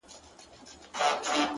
هلته د ژوند تر آخري سرحده ـ